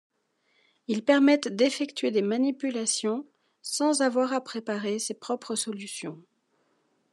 Ils permettent d'effectuer des manipulations sans avoir à préparer ses propres solutions.